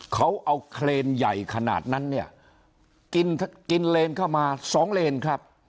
เขาเอาเครนใหญ่ขนาดนั้นเนี่ยกินกินเลนเข้ามาสองเลนครับ